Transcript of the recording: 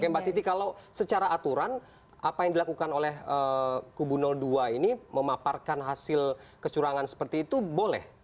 mbak titi kalau secara aturan apa yang dilakukan oleh kubu dua ini memaparkan hasil kecurangan seperti itu boleh